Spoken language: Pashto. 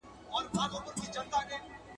• اوښ تې ويل الغبندي وکه، ده ول، په کمو لاسو.